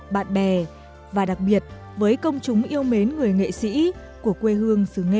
bạn bè và đặc biệt với công chúng yêu mến người nghệ sĩ của quê hương xứ nghệ